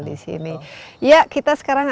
di sini ya kita sekarang